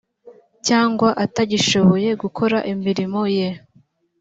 cyangwa atagishoboye gukora imirimo ye